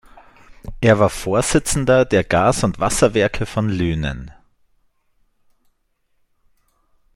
Er war Vorsitzender der Gas- und Wasserwerke von Lünen.